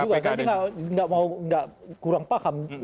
saya tidak mau kurang paham